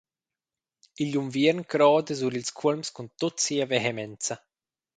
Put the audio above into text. Igl unviern croda sur ils cuolms cun tut sia vehemenza.